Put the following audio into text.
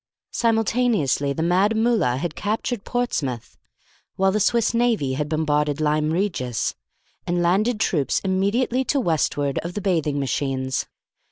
Simultaneously the Mad Mullah had captured Portsmouth; while the Swiss navy had bombarded Lyme Regis, and landed troops immediately to westward of the bathing machines.